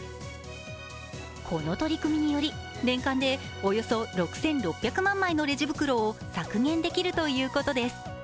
この取り組みにより、年間でおよそ６６００万枚のレジ袋を削減できるということです。